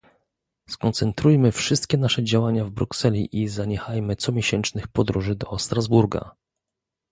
skoncentrujmy wszystkie nasze działania w Brukseli i zaniechajmy comiesięcznych podróży do Strasburga